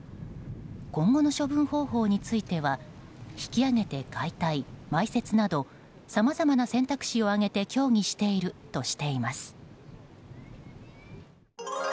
今後の処分方法については引き揚げて解体・埋設などさまざまな選択肢を挙げて協議しているとしています。